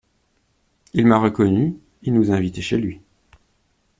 Il m’a reconnu, il nous a invités chez lui.